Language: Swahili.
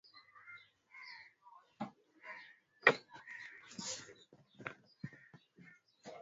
mkupa hapo zambia uko eneo njoo